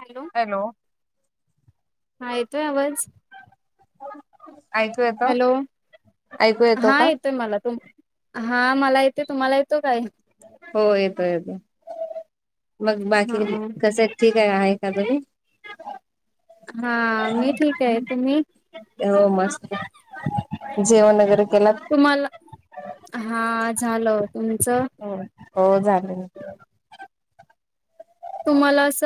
Hello हा येतोय आवाज? ऐकू येत हॅलो ऐकू येतो हा का? येतोय मला तुम हा मला येते तुम्हाला येतोय काय? हो येतो येतो मग हा बाकी कस ठीक आहे आहे का बरी हा मी ठीक आहे तुम्ही होव मस्त जेवण वगैरे केलात? तुम्हाला हा झालं तुमचं हो हो झालं तुम्हाला अस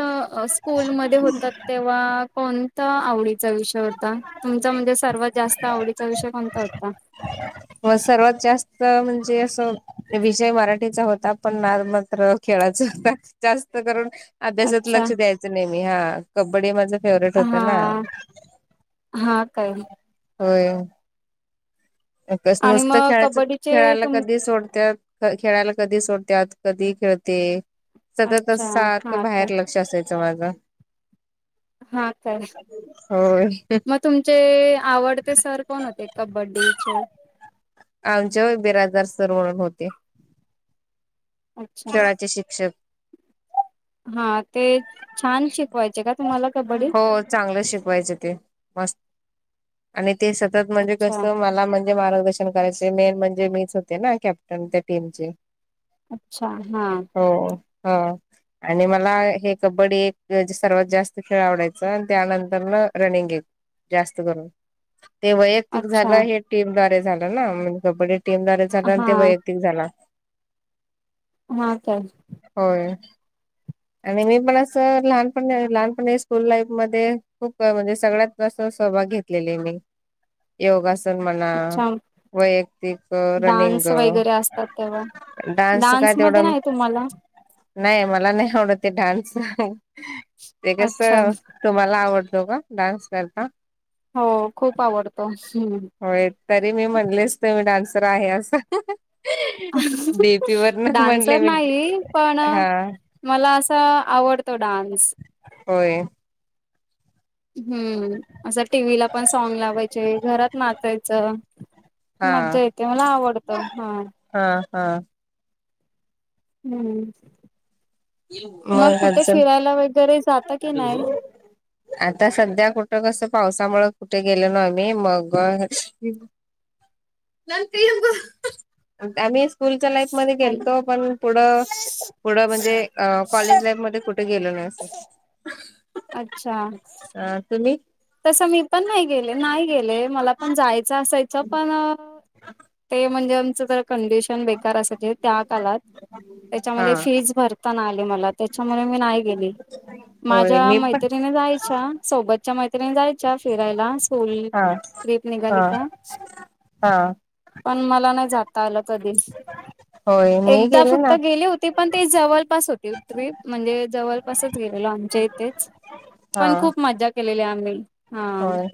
स्कूलमध्ये होतात ते तुवा कोणता आवडीचा विषय होता? तुमचा म्हणजे सर्वात जास्त आवडीचा विषय कोणता होता? व सर्वात जास्त म्हणजे असं विषय मराठीचा होता पण नाद नंतर खेळाचा होता जास्त करून. अभ्यासात अच्छा लक्ष द्यायचं नाहीे मी हा कब्बडी माझं फेवरेट होत हा ना हा काय होय. अभ्यास आणि नुसतं मग खेळाच कबड्डीचे खेळाला तुम कधी सोडत्यात अ खेळायला कधी सोडत्यात कधी खेळते सतत अच्छा अस सारखं हा काय बाहेर लक्ष असाय त माझा हा काय होय मगं तुमचे आवडते सर कोण होते कबड्डीचे आमचे व्हय बिराजदार सर म्हणून होते. अच्छा खेळाचे शिक्षक. हा ते छान शिकवायचे का तुम्हाला कबड्डी हो चांगलं शिकवायचे ते मस्त आणि ते सतत म्हणजे अच्छा कस मला म्हण ते मार्गदर्शन करायचे मेन म्हणजे मीच होते ना कॅप्टन त्या टीम ची अच्छा हां हो ह आणि मला हे कबड्डी एक जे सर्वात जास् त खेळ आवडायचा आणि त्यानंतर न रनिंग एक जास्त करून ते वैयक्तिक अच्छा झालं हे टीम द्वारे झालं ना म्हणजे कबड्डी टीमद्वारे झाला अनं हा ते वैयक्तिक झाल. हा काय होय. आणि मी पण असं लहानपनी लहानपणी स्कूल लाईफ मध्ये खूप अ म्हणजे सगळ्यात असं सहभाग घेत लेले मी [inaudible] योगासन म्हणा अच्छा वैयक्तिक रनिंग डान्स वगैरे असतात तेव्हा डान्स काय मध्ये तेवढा नाही तुम्हाला नाय मला नाय आवडत ते डान्सचं ते कस अच्छा तुम्हाला आवडतो का? डान्स करता? हो खूप आवडतो हूं होय तरी मी म्हणलेच तुम्ही डान्सर आहे असं डीपी वरण डान्सर म्हणले मी नाही पण हा मला अस आवडतो डान्स. होय. हम्म असं टी व्ही ला पण सॉग लावायचे घरात नाचायचं. हा मज्जा येते मला आवडत. हा हा हा हम्म, मग कुठे फिरायला वगैरे जाता की नाय. आता सध्या कुठं कसं पावसामुळ कुठ गेलो ना आम्ही मग [inaudible] नंतर येऊन कं अ आणीस स्कूलच्या लाईफ मध्ये हॅलो गेलतो पण पुढं पुढं म्हणजे अ कॉलेज लाईफ मध्ये कुट कुठ गेलो नाय असंच. अच्छा आ तुम्ही तसं मी पण नाही गेले नाही गेले मला पण जायचं असायचं पण अ ते म्हणजे आमचं जरा कंडिश शन बेकार असाची ना त्या कालात हा त्याच्यामले फीज भरता नाय आली त्याच्यामुले मी नाय गेले, होय माझ्या मी पण मैत्रिणी जायच्या सोबतच्या मैत्रिणी जायच्या फिरायला. होळीत हा ट्रिप हा निघाली का हा पण मला नाय जाता आलं कधी होय मी एकदा फक्त ना गेले होत ते पण ते जवलपास होती ट्रिप म्हणजे जवलपासच गेलेलो आमच्या इथेच पण हा खूप मजा केलेली आम्ही. हा होय.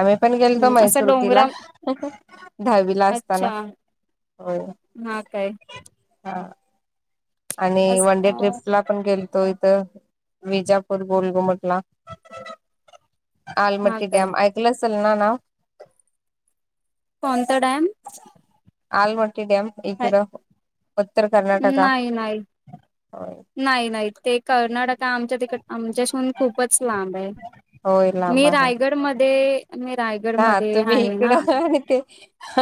आम्ही पण गेलतो असं मैसूर की ला डोंगरा दहावीला असताना. अच्छा हो. हा काय हा आणि अस वन डे ट्रिप ला आपण गेलतो इथ विजापूर गोलगुमटला हा आलमटी काय डॅम ऐकलंचल ना ना पणंत डॅम आलमटी डॅम इकड उत्तर कर्नाटक नाही नाही नाही नाही ते कर्नाटक आमच्या तिकड आमच्याशीून खूपच लांब आहे होय लांब मी आहे रायगड मध्ये मी रायगड मध्ये आहे ना ह ते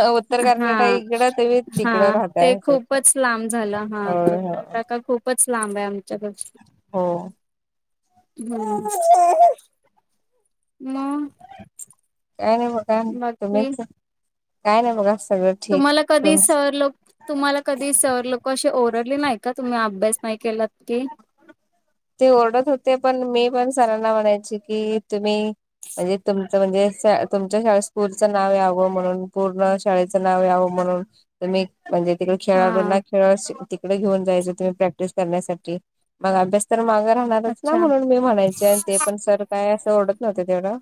उत्तर हा कर्नाटक इकडं तुम्ही हा तिकडं ते राहताय असं खूपच लांब झालं हा होय कर होय टका खूप खूपच लांब आहे आमच्या घर हो ह मग काय नाही बघ बाकी तुम्हीच काय नाही बघा सगळं ठीक तुम्हाला कधी तुमच सरलोक तुम्हाला कधी सर लोक अशी ओरले नाही का तुम्ही अभ्यास नाही केला ते ओरडत होते पण मी पण सरांना म्हणायचे की तुम्ही म्हणजे तुमचं म्हणजे तुमच्या शा स्कूलचं नाव यावं म्हणून पूर्ण शाळेचं नाव यावं म्हणून तुम्ही म्हणजे तिकडे हा खेळाडूंना खेळ तिकडे घेऊन जायच तुम्ही प्रॅक्टिस करण्यासाठी मग अभ्यास तर मागं राहणारच ना अच्छा म्हणून मी म्हणायचे ते. पण सर काय असं ओडत नव्हत तेवढं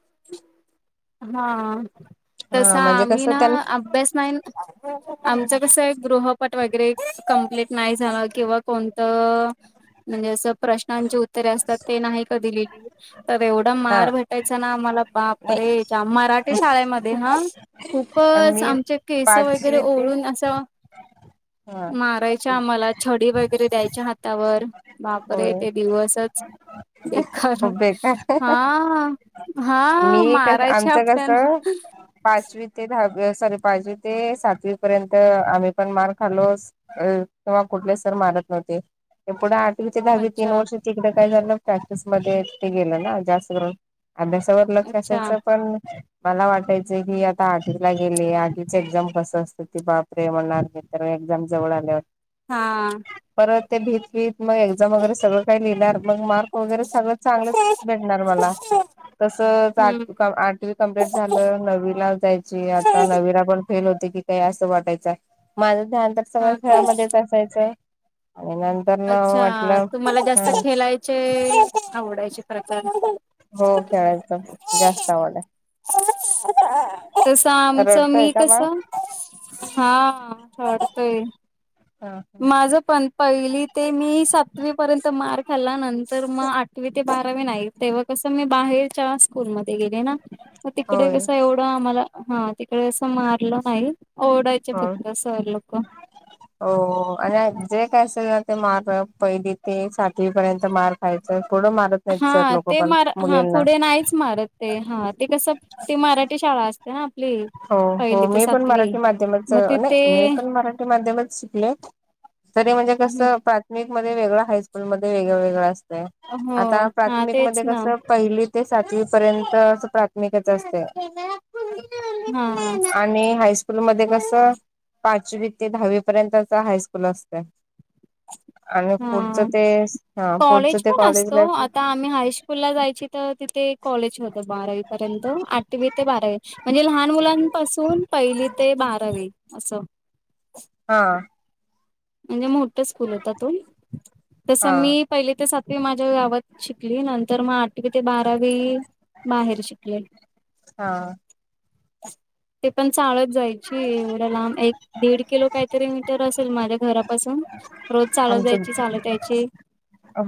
हा तस हा म्हणजे आम्ही कसं ना त्यां अभ्यास नाही आमच कसं गृहपट वगैरे कंप्लीट नाही झालं किंवा कोण म्हणजे असं प्रश्नांची उत्तरे असतात ते नाही का दि लिली तर एवढा हा मार भेटायचा ना आम्हाला बाप नाही रे मराठी शाळेमध्ये हा खूपच मी आमचे केस वगैरे पाचवी ते ओढून असं हा मारायच्या आम्हाला छडी वगैरे द्यायच्या हातावर बापर होय येते दिवसच देखार खूप बेकार हा हा मी कस मारायचे आमचं आपल्याला कसं पाचवी ते दहावी सॉरी पाचवी ते सातवी पर्यंत आम्ही पण मार खाल्लो अ किंवा कुठले सर मारत नव्हते पुढे आठवीच्या दहावी तीन अच्छा वर्ष तिकडे काय झालं ना प्रॅक्टिस मध्ये ते गेलं ना जास्त अभ्यास आपलच अच्छा असायचं पण मला वाटायचं की आता आटीला गेले आटीच एक्झाम कस असत तेी बापरे म्हणणार तर एक्झाम जवळ आल्या हो हा परत ते भीत वीत मग एक्झाम वगैरे सगळं काही लिहिणार मग मार्क वगैरे सगळं चांगलंच भेट नर्मला तसं हम्म चालतं आठवी कम्पीट झालं नववीला जायची आता नववी पण फेल होते की काय असं वाटायच माझं ध्यान तर सगळं हा काय खेळामध्येच असायचं आणि नंत तर ना अच्छा वाटणार तुम्हाला जास्त हा खेळायचे आवडायचे प्रकार हो खेळायचं जास्त आवड आहे ह तस आहे आमचं रडतोय मी का कस बाळ हा वाटतय हा माझं पण पहिली ते मी सातवी पर्यंत मार खाल्ला नंतर मग [inaudible] ते बारावी नाही तेव्हा कसं मी बाहेरच्या स्कूलमध्ये गेले ना मग तिकडे होय कस एवढं आम्हाला हा तिकडे अस मारलं नाही ओरडाय.. चे हो फक्त सर लोकं हो आणि जे काय असेल ते मार पहिली ते सातवी पर्यंत मार खायचं थोडं मारत हा नाहीत सर लोक ते पण मार हा मुलींना पुढे नाहीच मारत ते हा ते कस ती मराठी शाळा असते ना आपली हो हो पहिली ते मी पण सातवी मराठी माध्यमच मग नाही तिथे मी पण मराठी माध्यमच शिकले तरी म्हणजे कसं प्राथमिक मध्ये वेगळं हायस्कूलमध्ये वेगळं वेगळं असतंय हो आता हा प्राथमिक तेच मध्ये ना कसं पहिली ते सातवी पर्यंत अस प्राथमिकच असतया हम्म आणि हायस्कूल मध्ये कसं पाचवी ते दहावी पर्यंतच हायस्कूल असतय आणि पुढचं हा ते हा पुढचं कॉलेज ते पण कॉलेज असतं लाईफ आता आम्ही हायस्कूल ला जायची तर तिथे कॉलेज होतं बारावी पर्यंत आठवी ते बारावी म्हणजे लहान मुलांपासून पहिली ते बारावी असं हा म्हणजे मोठं स्कूल होता तो हा तसं मी पहिली ते सातवी माझ्या गावात शिकली नंतर मग आठवी ते बारावी बाहेर शिकले हा ते पण चालत जायची एवढं लांब एक दीड किलो काहीतरी मीटर असेल माझ्या घरापासून रोज चालत आमचं जायची चालत यायची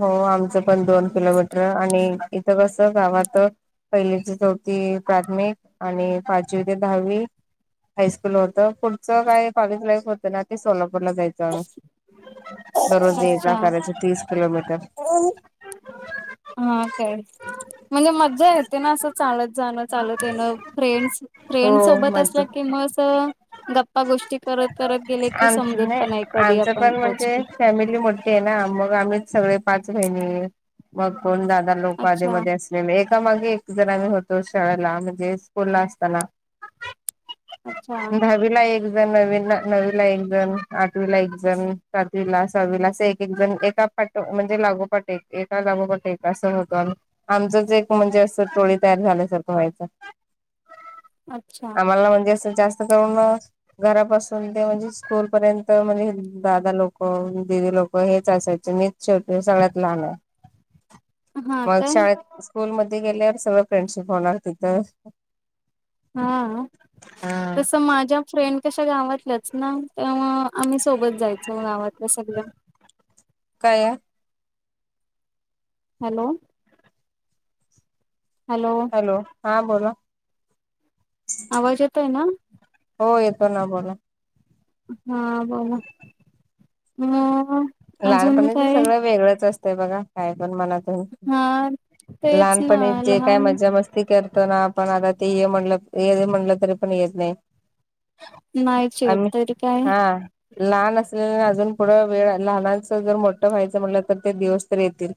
हो आमचं पण दोन किलोमीटर आणि इथं कसं गावांत पहिली चौथी प्राथमिक आणि पाचवी ते दहावी हायस्कूल होत पुढचं काय काॅलेज लाईफ होतं ना ते सोलापूरला जायचो आम्ही दररोज ये जा करायची तीस किलोमीटर [unintelligible] हो हा काय म्हणजे मज्जा येते ना असं चालत जाणं चालत येणं फ्रेंड्स हो फ्रेंड्स सोबत असला मज्जा की मग अस गप्पा गोष्टी करत करत गेले की आमच समजत पण नाही कधी आमचं आपण पण म्हणजे पोहोचलो फॅमिली मोठी आहे ना मग आम्हीच सगळे पाच बहिणी मग कोण दादा लोकं अच्छा अधेमध्ये अस एका मागे एक जरा मी होतो शाळेला म्हणजे स्कूलला असताना अच्छा दहावीला एक जण नवी नववीला एक जण आठवी ला एक जण [inaudible] विला सहाविला असं एक एक जण एका पाट म्हणजे लागोपाट एक एका लागोपट एक असं होतो आमचंच एक म्हणजे असं टोळी तयार झाल्या सारखं व्हायच अच्छा आम्हाला म्हणजे असं जास्त करून ना घरापासून मग ते म्हणजे स्कूल पर्यंत म्हणजे दादा लोक दिदी लोक हेच असायचे मी शेवटून सगळ्यात लहान आहे हा मग काय शाळेत स्कूलमध्ये गेल्यावर सगळं फ्रेंडशिप होणार तिथं हा हा तसं माझ्या फ्रेंड कशा गावातल्याच ना त्यामुळं आम्ही सोबत जायचो गावातलं सगळ्या [inaudible] काय ओ हॅलो हॅलो हॅलो हा बोला आवाज येतोय ना हो येतो ना बोला. हा बोला [inaudible] ह. लहानपणीच सगळं वेगळंच असतय बघा काय पण म्हणा. [inaudible] हो हा तेच ना लहानपणी जे काय लहान मज्जा मस्ती. [unintelligible] करतो ना आपण आता ते ये म्हणलं ये म्हणलं तरी पण येत नाही. नाहीचे आम्ही तरी काय [inaudible] हा लहान असलेल अजून पुढं वेळ. लहानांच जर मोठं व्हायचं म्हणलं तर ते दिवस तर येतील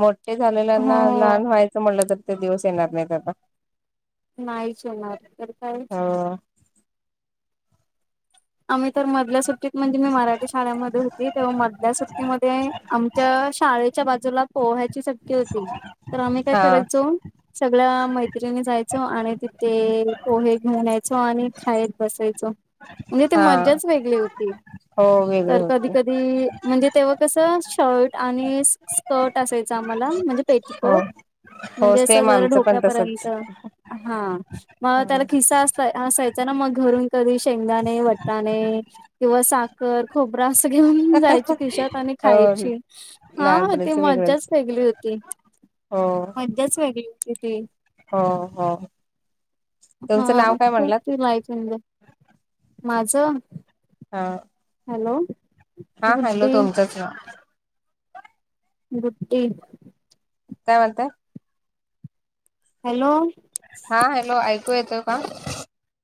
मोठे हो झालेल्यांना लहान व्हाय. नको म्हटलं तर ते दिवस येणार नाहीत आता नाहीच होणार तर काय [inaudible] हो. आम्ही तर मधल्या सुट्टीत म्हणजे मी मराठी शाळेमध्ये होती तेव्हा मधल्या सुट्टीमध्ये आमच्या शाळेच्या बाजूला पोहायची शट्यी होती तर आम्ही काय हा करायचो. सगळ्या मैत्रिणी जायचो आणि तिथे पोहे घेऊन यायचो आणि खायेत बसायचो. म्हणजे ते हा मज्जाच वेगळी होती हो वेगळे तर कधी होते कधी म्हणजे तेव्हा कसं शर्ट आणि [inaudible] स्कर्ट असायचं आम्हाला म्हणजे हो. पेटिकोट हो म्हणजे अस सेम जर आमचं पण तसच. ढोप्यापर्यंत हा मग त्याला खिस्सा अस [inaudible] असायचा ना मग घरून कधी शेंगदा दाणे वटाणे किंवा सा साखर खोबर असं घेऊन जायची खिशात आणि हो खायची हा ती लहानपणीच वेगळंच. मज्जाच वेगली होती. [unintelligible] त हो. मज्जाच वेगळी होती ती. हो हो [unintelligible] तुमचं नाव हा काय खूप म्हणलात तलायच म्हज. माझं. हा. हॅलो. हा हॅलो गुड्डी तुमचाच ना. रुटीन. काय म्हणताय? हॅलो. हा हॅलो ऐकू येतोय का?